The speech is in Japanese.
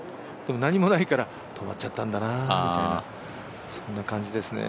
何もないから止まっちゃったんだなあみたいなそんな感じですかね。